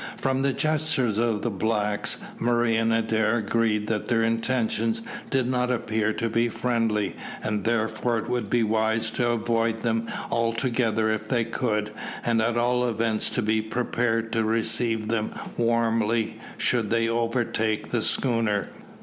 From the gestures of the blacks, Murray and Adair agreed that their intentions did not appear to be friendly, and therefore it would be wise to avoid them altogether if they could, and at all events to be prepared to receive them warmly, should they overtake the schooner.